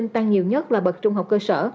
tăng nhiều nhất là bậc trung học cơ sở